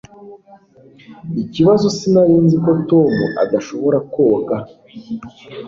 Ikibazo sinari nzi ko Tom adashobora koga